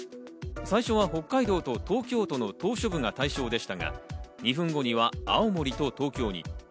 最初は北海道と東京都の島しょ部が対象でしたが、２分後には青森と東京に。